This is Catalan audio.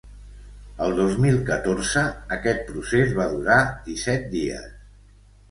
El dos mil catorze aquest procés va durar disset dies.